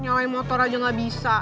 nyalain motor aja gak bisa